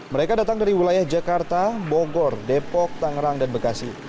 mereka datang dari wilayah jakarta bogor depok tangerang dan bekasi